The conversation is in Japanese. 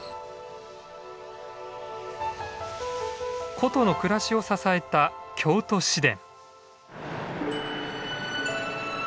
古都の暮らしを支えた京都市電。